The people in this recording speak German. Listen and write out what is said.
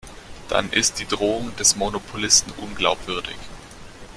Dann ist die Drohung des Monopolisten unglaubwürdig.